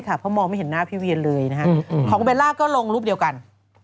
เพราะมองไม่เห็นหน้าพี่เวียนเลยของเบลล่าก็ลงรูปเดียวกัน